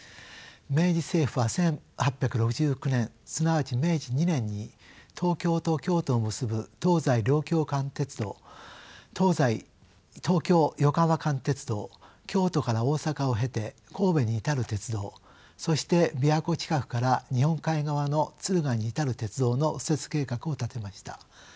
明治政府は１８６９年すなわち明治２年に東京と京都を結ぶ東西両京間鉄道東京横浜間鉄道京都から大阪を経て神戸に至る鉄道そして琵琶湖近くから日本海側の敦賀に至る鉄道の敷設計画を立てました。